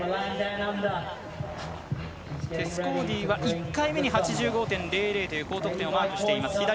テス・コーディは１回目に８５．００という高得点をマークしています。